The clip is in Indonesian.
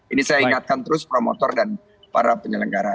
ini saya ingatkan terus promotor dan para penyelenggara